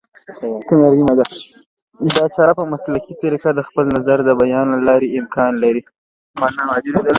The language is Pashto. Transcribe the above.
دا چاره په مسلکي طریقه د خپل نظر د بیان له لارې امکان لري